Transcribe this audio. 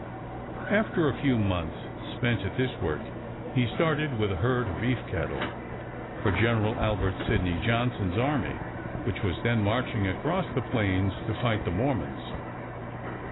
After a few months spent at this work, he started with a herd of beef cattle for Gen. Albert Sidney Johnston's army, which was then marching across the plains to fight the Mormons.